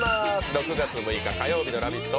６月６日火曜日の「ラヴィット！」